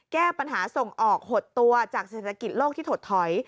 แก้ปัญหาส่งออกหดตัวจากเศรษฐกิจโลกที่ถดถอย